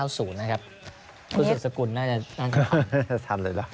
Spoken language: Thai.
คุณสุดสกุลน่าจะทันทันค่ะทันเลยล่ะ